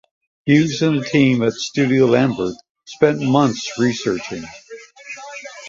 Hughes and the team at Studio Lambert spent months researching.